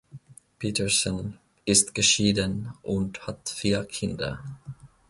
Petersen ist geschieden und hat vier Kinder.